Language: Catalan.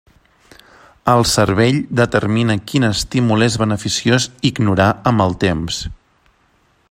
El cervell determina quin estímul és beneficiós ignorar amb el temps.